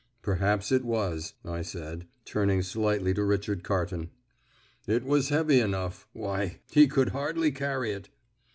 "Perhaps it was," I said, turning slightly to Richard Carton. "It was heavy enough. Why, he could hardly carry it."